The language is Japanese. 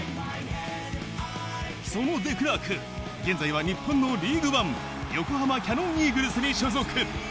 そのデクラーク、現在は日本のリーグワン、横浜キヤノンイーグルスに所属。